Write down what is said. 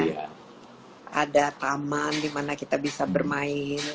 teman teman dimana kita bisa bermain